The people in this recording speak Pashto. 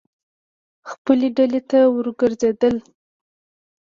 خپلې ډلې ته ور وګرځېدل.